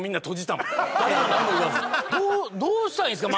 どうしたらいいんですか？